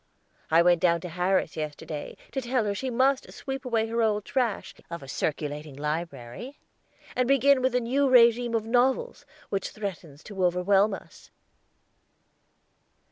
I went down to Harris yesterday to tell her she must sweep away her old trash of a circulating library, and begin with the New Regime of Novels, which threatens to overwhelm us."